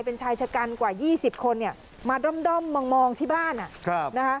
เป็นชายชะกันกว่า๒๐คนมาด้อมมองที่บ้าน